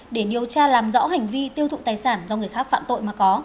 để điều tra làm rõ hành vi tiêu thụ tài sản do người khác phạm tội mà có